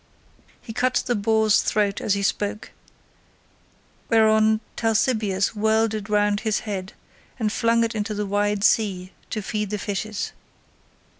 He cut the boar's throat as he spoke, whereon Talthybius whirled it round his head, and flung it into the wide sea to feed the fishes.